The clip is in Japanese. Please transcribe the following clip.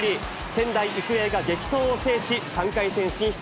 仙台育英が激闘を制し、３回戦進出。